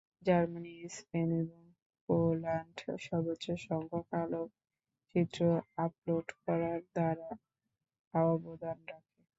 Germany, Spain এবং Poland সর্বোচ্চ সংখ্যাক আলোকচিত্র আপলোড করার দ্বারা অবদান রাখে।